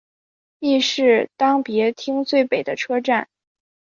亦是当别町最北的车站。